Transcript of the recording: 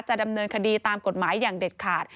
ดำเนินคดีตามกฎหมายอย่างเด็ดขาด